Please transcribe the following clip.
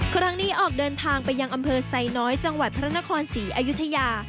ครั้งนี้ออกเดินทางไปยังอำเภอไซน้อยจังหวัดพระนครศรีอยุธยา